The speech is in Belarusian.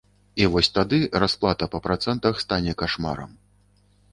І вось тады расплата па працэнтах стане кашмарам.